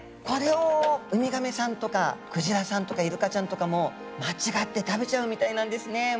これをウミガメさんとかクジラさんとかイルカちゃんとかも間違って食べちゃうみたいなんですね。